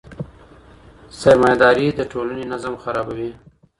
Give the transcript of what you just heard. سرمایه داري د ټولني نظم خرابوي.